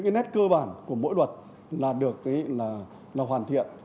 cái nét cơ bản của mỗi luật là được hoàn thiện